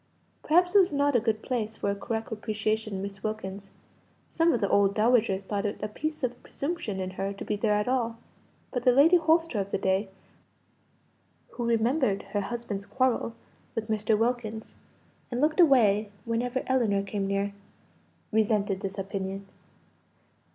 Perhaps it was not a good place for a correct appreciation of Miss Wilkins; some of the old dowagers thought it a piece of presumption in her to be there at all but the Lady Holster of the day (who remembered her husband's quarrel with Mr. Wilkins, and looked away whenever Ellinor came near) resented this opinion.